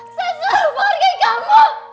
saya sudah menghargai kamu